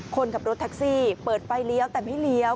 คนขับรถแท็กซี่เปิดไฟเลี้ยวแต่ไม่เลี้ยว